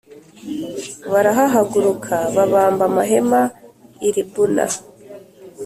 Barahahaguruka babamba amahema i libuna